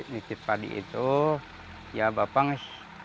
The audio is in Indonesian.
nipit padi itu ya bapak ngasih